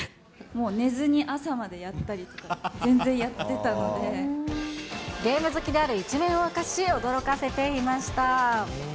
もう寝ずに、朝までやったりゲーム好きである一面を明かし、驚かせていました。